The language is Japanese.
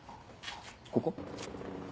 ここ？